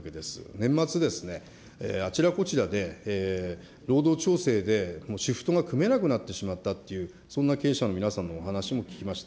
年末ですね、あちらこちらで、労働調整でもうシフトが組めなくなってしまったという、そんな経営者の皆さんのお話も聞きました。